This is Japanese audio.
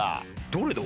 どれだ？